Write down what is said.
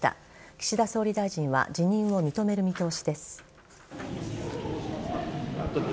岸田総理大臣は辞任を認める見通しです。